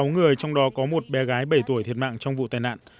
hai mươi sáu người trong đó có một bé gái bảy tuổi thiệt mạng trong vụ tai nạn